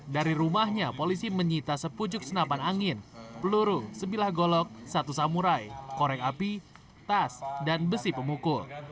dari rumahnya polisi menyita sepujuk senapan angin peluru sebilah golok satu samurai korek api tas dan besi pemukul